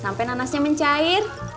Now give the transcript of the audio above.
sampai nanasnya mencair